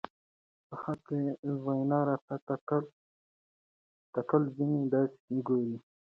په حق وېنا راته تکله ځينې داسې ګوري